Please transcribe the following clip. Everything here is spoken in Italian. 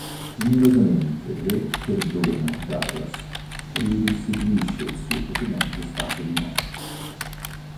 Generosamente il re perdona Douglas e gli restituisce il suo precedente stato di nobile.